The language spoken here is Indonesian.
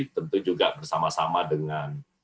tentu juga bersama sama dengan